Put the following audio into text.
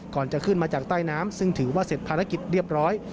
ก่อนจะขึ้นมาจากใต้น้ำซึ่งถือว่าเสร็จภารกิจเรียบร้อย